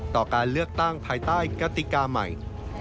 ต่อการเลือกตั้งภายใต้กติกาใหม่